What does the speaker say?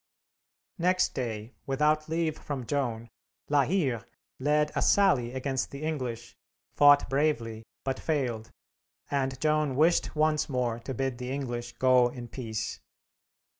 Next day, without leave from Joan, La Hire led a sally against the English, fought bravely, but failed, and Joan wished once more to bid the English go in peace.